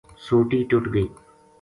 سوٹی ٹُٹ گئی